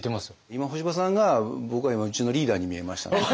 今干場さんが僕は今うちのリーダーに見えましたね。